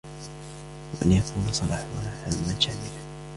وَأَنْ يَكُونَ صَلَاحُهَا عَامًّا شَامِلًا